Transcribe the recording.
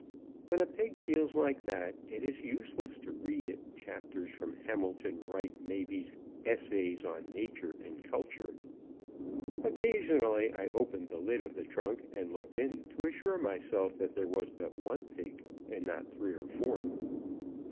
When a pig feels like that, it is useless to read it chapters from Hamilton Wright Mabie's "Essays on Nature and Culture." Occasionally I opened the lid of the trunk and looked in to assure myself that there was but one pig, and not three or four.